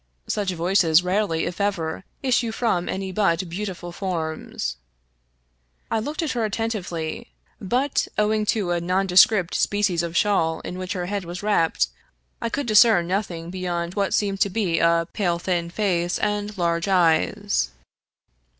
Such voices rarely, if ever, issue from any but beautiful forms. I looked at her attentively, but, owing to a nonde script species of shawl in which her head was wrapped, I could discern nothing beyond what seemed to be a pale, thin face and large eyes.